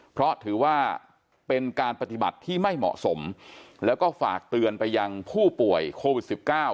เพราะถือว่าเป็นการปฏิบัติที่ไม่เหมาะสมแล้วก็ฝากเตือนไปยังผู้ป่วยโควิด๑๙